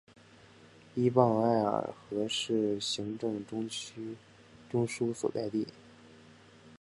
依傍艾尔河是行政中枢所在地。